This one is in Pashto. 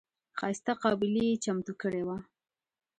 ښایسته قابلي یې چمتو کړې وه.